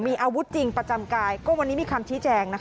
มีอาวุธจริงประจำกายก็วันนี้มีคำชี้แจงนะคะ